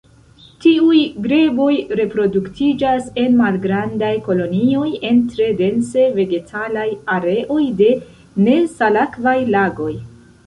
Tiuj greboj reproduktiĝas en malgrandaj kolonioj en tre dense vegetalaj areoj de nesalakvaj lagoj.